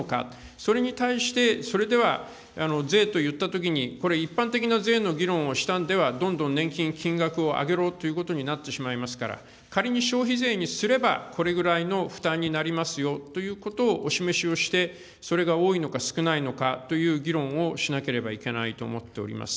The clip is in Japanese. それに対して、それでは税といったときに、これ、一般的な税の議論をしたんでは、どんどん年金金額を上げろということになってしまいますから、仮に消費税にすればこれぐらいの負担になりますよということをお示しをして、それが多いのか少ないのかという議論をしなければいけないと思っております。